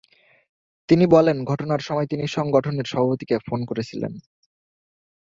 তিনি বলেন, ঘটনার সময় তিনি সংগঠনের সভাপতিকে ফোন করেছিলেন।